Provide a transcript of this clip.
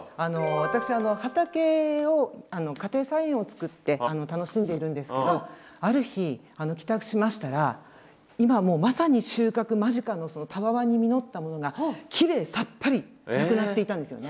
私畑を家庭菜園をつくって楽しんでいるんですけどある日帰宅しましたら今まさに収穫間近のたわわに実ったものがきれいさっぱり何ですか？